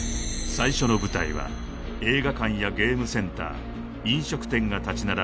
最初の舞台は映画館やゲームセンター飲食店が立ち並ぶ